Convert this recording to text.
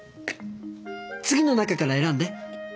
次の中から選んで。